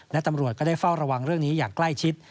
และตำรวจก็ได้เฝ้าระวังเรื่องนี้อย่างใกล้ชิด